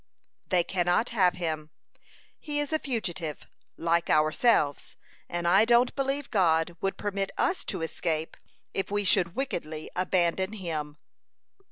"They cannot have him. He is a fugitive, like ourselves, and I don't believe God would permit us to escape if we should wickedly abandon him."